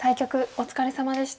お疲れさまでした。